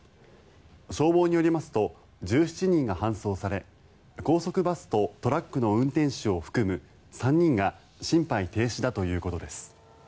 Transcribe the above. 消防によりますと１７人が搬送され高速バスとトラックの運転手を含む３人が心肺停止だということです。